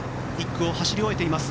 １区を走り終えています。